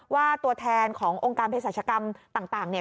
ว่าตัวแทนขององค์การเพศรัชกรรมต่างเนี่ย